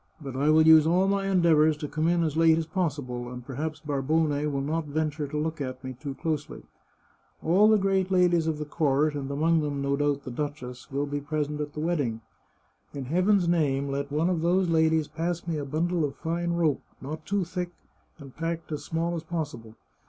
But I will use all my endeavours to come in as late as possible, and perhaps Barbone will not venture to look at me too closely. All the great ladies of the court, and among them, no doubt, the duchess, will be present at the wedding. In Heaven's name, let one of those ladies pass me a bundle of fine rope, not too thick, and packed as small as possible.